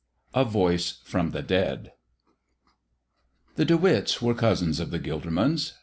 X A VOICE FROM THE DEAD THE De Witts were cousins of the Gildermans.